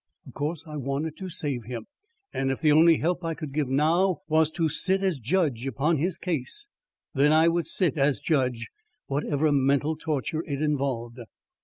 Of course, I wanted to save him, and if the only help I could now give him was to sit as judge upon his case, then would I sit as judge whatever mental torture it involved.